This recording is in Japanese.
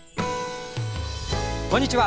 こんにちは。